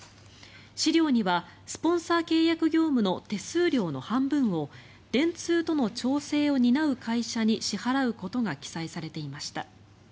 資料にはスポンサー契約業務の手数料の半分を電通との調整を担う会社に支払うことが記載されていました。